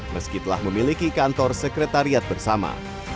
meski telah memiliki kantor sekretariat bersama